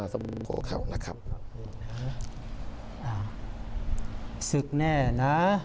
ศึกแน่นะ